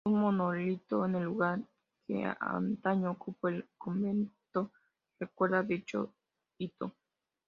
Un monolito en el lugar que antaño ocupó el convento recuerda dicho hito.